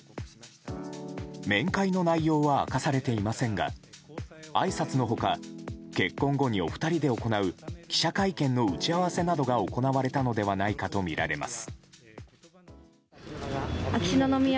面会の内容は明かされていませんがあいさつの他、結婚後にお二人で行う記者会見の打ち合わせなどが行われたのではないかとみられます。